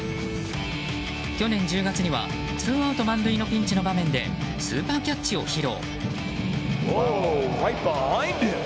去年１０月にはツーアウト満塁のピンチの場面でスーパーキャッチを披露。